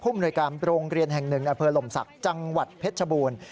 มนวยการโรงเรียนแห่งหนึ่งอำเภอลมศักดิ์จังหวัดเพชรชบูรณ์